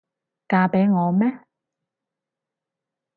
嫁畀我吖？